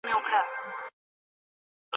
اوس د شپې نکلونه دي پېیلي په اغزیو